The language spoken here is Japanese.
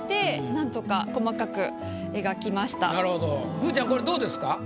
くーちゃんこれどうですか？